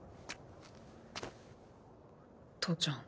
父ちゃん